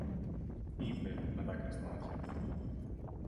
είπε με δάκρυα στα μάτια.